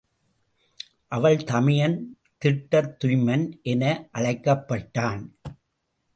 அவள் தமையன் திட்டத்துய்மன் என அழைக்கப்பட்டான்.